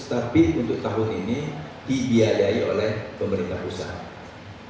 tapi untuk tahun ini dibiayai oleh pemerintah pusat